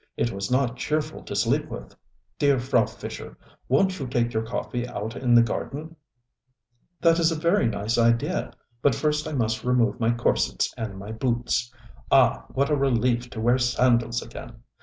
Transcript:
It was not cheerful to sleep with. Dear Frau Fischer, wonŌĆÖt you take your coffee out in the garden? ŌĆØ ŌĆ£That is a very nice idea. But first I must remove my corsets and my boots. Ah, what a relief to wear sandals again.